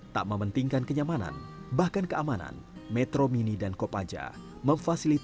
tak mementingkan kenyamanan bahkan keamanan metro mini dan kopaja memfasilitasi